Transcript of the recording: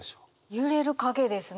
「揺れる影」ですね。